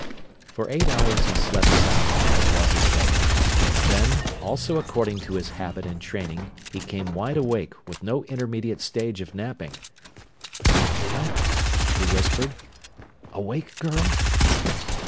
For eight hours he slept soundly, as was his wont; then, also according to his habit and training, he came wide awake, with no intermediate stage of napping. "Clio?" he whispered. "Awake, girl?"